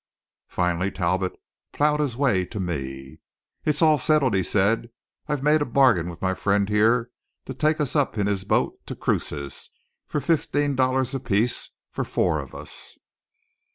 Finally Talbot ploughed his way to me. "It's all settled," said he. "I've made a bargain with my friend here to take us up in his boat to Cruces for fifteen dollars apiece for four of us."